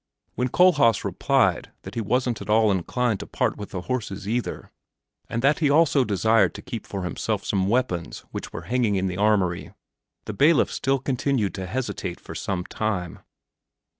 When Kohlhaas replied that he wasn't at all inclined to part with the horses either, and that he also desired to keep for himself some weapons which were hanging in the armory, the bailiff still continued to hesitate for some time.